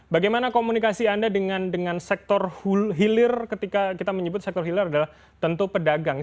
bagaimana komunikasi anda dengan sektor hilir ketika kita menyebut sektor hilir adalah tentu pedagang